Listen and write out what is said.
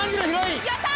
やった！